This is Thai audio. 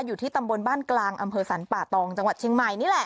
อยู่ที่ตำบลบ้านกลางอำเภอสรรป่าตองจังหวัดเชียงใหม่นี่แหละ